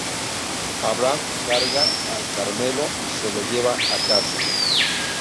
Abraham carga al Carmelo y se lo lleva a casa.